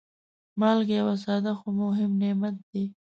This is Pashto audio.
مالګه یو ساده، خو مهم نعمت دی.